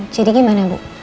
jadi bagaimana ibu